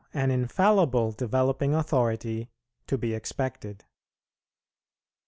AN INFALLIBLE DEVELOPING AUTHORITY TO BE EXPECTED.